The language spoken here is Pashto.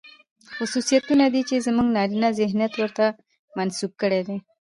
خصوصيتونه دي، چې زموږ نارينه ذهنيت ورته منسوب کړي دي.